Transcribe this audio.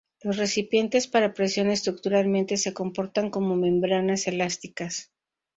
Los recipientes para presión estructuralmente se comportan como membranas elásticas.